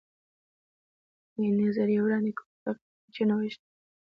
د یوې نوې نظریې وړاندې کول په حقیقت کې یو ښه نوښت دی.